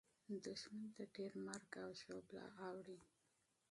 دښمن ته ډېره مرګ او ژوبله اوړي.